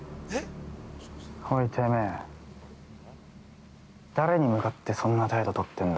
◆おい、てめえ誰に向かってそんな態度取ってんだ。